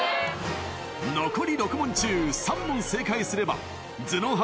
残り６問中３問正解すれば頭脳派